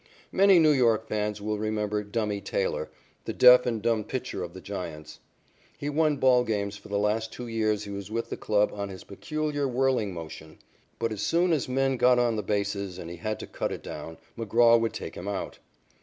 Many New York fans will remember "Dummy" Taylor, the deaf and dumb pitcher of the Giants. He won ball games for the last two years he was with the club on his peculiar, whirling motion, but as soon as men got on the bases and he had to cut it down, McGraw would take him out.